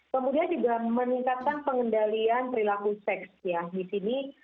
kemudian juga meningkatkan pengendalian perilaku seks ya di sini